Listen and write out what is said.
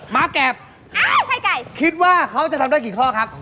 มาแกบคิดว่าเขาจะทำได้กี่ข้อครับ